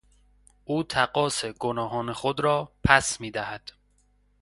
او تقاص گناهان خود را پس میدهد.